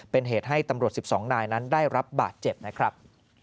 เป็นเหตุให้ตำรวจ๑๒นายนั้นได้รับบาดเจ็บนะครับ